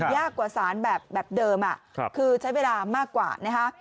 ยากกว่าสารแบบเดิมคือใช้เวลามากกว่านะคะ